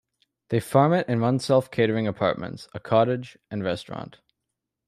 They farm it and run self-catering apartments, a cottage, and restaurant.